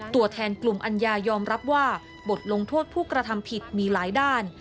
ตัวแทนกลุ่มอัญญายอมรับว่าบทลงโทษผู้กระทำผิดมีหลายด้าน